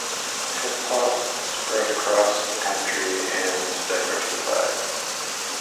Hip hop spread across the country and diversified.